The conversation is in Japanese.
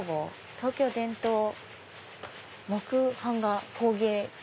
東京伝統木版画工芸協同組合」。